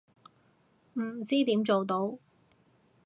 唔知點做到